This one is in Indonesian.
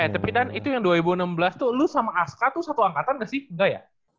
tapi dan itu yang dua ribu enam belas tuh lu sama aska tuh satu angkatan gak sih enggak ya